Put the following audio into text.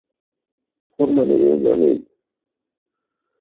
ওর মা নেই!